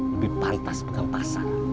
lebih pantas pegang pasar